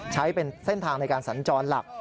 ใช้เป็นเส้นทางในการสัญจรหลัก